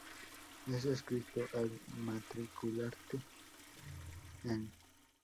Es descrito al matricularse en St.